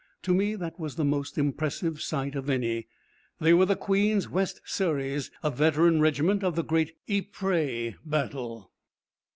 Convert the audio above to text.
To me that was the most impressive sight of any. They were the Queen's West Surreys, a veteran regiment of the great Ypres battle.